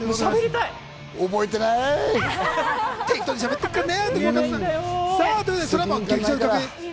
覚えてない。